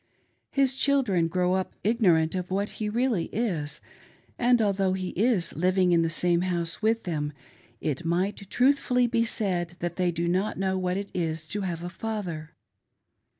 His children grow up ignorant of what he really is, and, although he is living in the same house with them, it might truthfiilly be said that they do not know what it is to have a father.